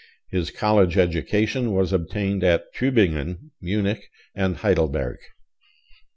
His college education was obtained at Tübingen, Munich, and Heidelberg.